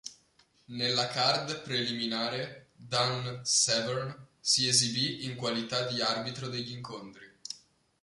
Nella card preliminare Dan Severn si esibì in qualità di arbitro degli incontri.